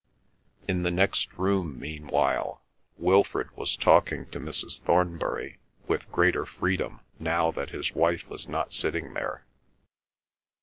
In the next room, meanwhile, Wilfrid was talking to Mrs. Thornbury with greater freedom now that his wife was not sitting there.